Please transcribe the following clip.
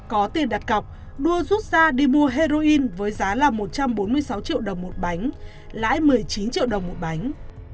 có tiền đặt cọc đua rút ra đi mua heroin với giá là một trăm bốn mươi sáu triệu đồng một bánh lãi một mươi chín triệu đồng một bánh